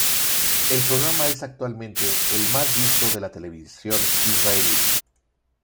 El programa es actualmente el más visto de la televisión israelí.